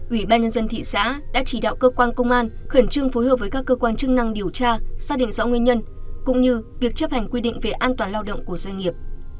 ủy ban nhân dân thị xã đã chỉ đạo cơ quan công an khẩn trương phối hợp với các cơ quan chức năng điều tra xác định rõ nguyên nhân cũng như việc chấp hành quy định về an toàn lao động của doanh nghiệp